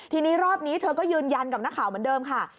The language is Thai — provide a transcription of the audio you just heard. ทีนี้รอบนี้เธอก็ยืนยันกับนักข่าวเหมือนเดิมค่ะ